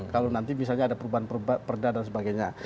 kalau nanti misalnya ada perubahan perda dan sebagainya